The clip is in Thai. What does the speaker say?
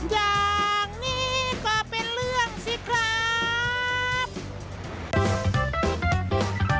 อย่างนี้ก็เป็นเรื่องสิครับ